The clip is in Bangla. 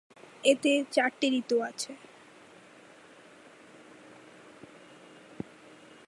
এতে চারটি ঋতু আছে।